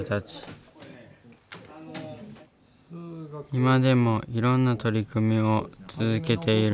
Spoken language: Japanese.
今でもいろんな取り組みを続けている。